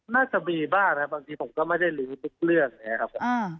น่าจะมีบ้างนะครับบางทีผมก็ไม่ได้ลืมทุกเรื่องแหละครับ